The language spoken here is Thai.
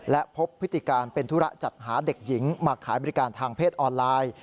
และพบพฤติการเป็นธุระจัดหาเด็กหญิงมาขายบริการทางเพศออนไลน์